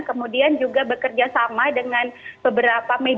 kemudian juga bekerja sama dengan beberapa media